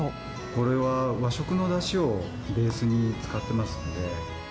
これは和食のだしをベースに使ってますんで。